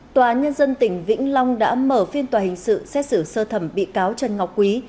tòa nhân dân tỉnh vĩnh long đã mở phiên tòa hình sự xét xử sơ thẩm bị cáo trần ngọc quý